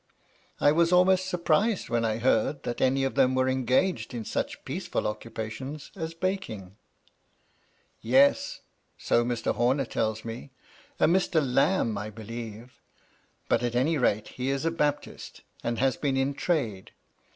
I was almost surprised when I heard that any of them were engaged in such peaceful occupations as baking. " Yes ! so Mr. Homer tells me. A Mr. Lambe, I believe. But, at any rate, he is a Baptist, and has been in trade.